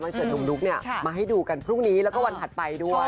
มันจะถึงลุคมาให้ดูกันพรุ่งนี้แล้วก็วันผลัดไปด้วย